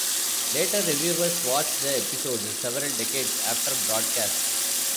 Later reviewers watched the episodes several decades after broadcast.